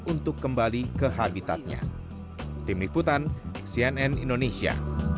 untuk kembali ke habitatnya